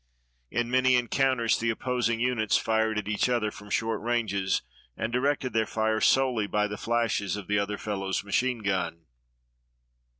In many encounters the opposing units fired at each other from short ranges, and directed their fire solely by the flashes of the other fellow's machine gun.